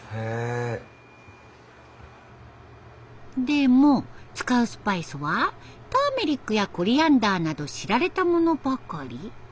でも使うスパイスはターメリックやコリアンダーなど知られたものばかり？